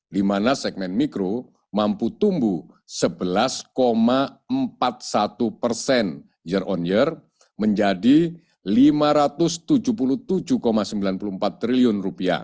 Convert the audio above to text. di mana segmen mikro mampu tumbuh sebelas empat puluh satu persen year on year menjadi rp lima ratus tujuh puluh tujuh sembilan puluh empat triliun